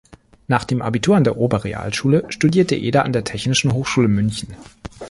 Nach dem Abitur an der Oberrealschule studierte Eder an der Technischen Hochschule München.